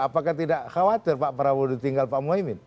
apakah tidak khawatir pak prabowo ditinggal pak muhaymin